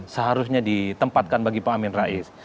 seharusnya ditempatkan bagi pak amin rais